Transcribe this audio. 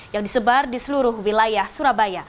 yang disebar di seluruh wilayah surabaya